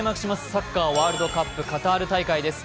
サッカーワールドカップカタール大会です。